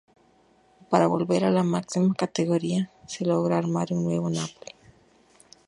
Para volver a la máxima categoría, se logra armar un nuevo Napoli.